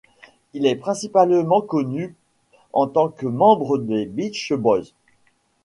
Il est principalement connu en tant que membre des Beach Boys.